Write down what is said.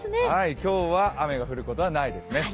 今日は雨が降ることはないですね。